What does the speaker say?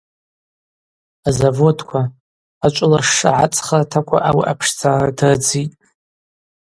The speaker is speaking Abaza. Азаводква, ачӏвылашша гӏацӏхыртаква ауи апшдзара дрыдзитӏ.